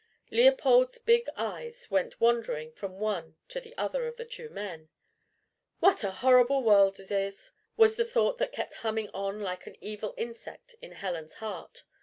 Leopold's big eyes went wandering from one to the other of the two men. "What a horrible world it is!" was the thought that kept humming on like an evil insect in Helen's heart.